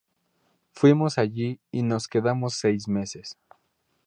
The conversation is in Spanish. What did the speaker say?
Fuimos allí y nos quedamos seis meses.